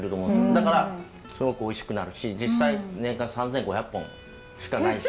だからすごくおいしくなるし実際年間３，５００本しかないんです。